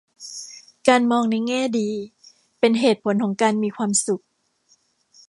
การมองในแง่ดีเป็นเหตุผลของการมีความสุข